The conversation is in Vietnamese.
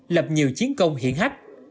lập nhiều chiến công hiển hách